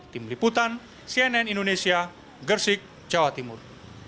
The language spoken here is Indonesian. tim liputan cnn indonesia gersik jawa timur